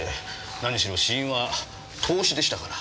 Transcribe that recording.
何しろ死因は凍死でしたから。